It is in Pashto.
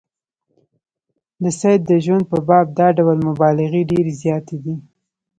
د سید د ژوند په باب دا ډول مبالغې ډېرې زیاتې دي.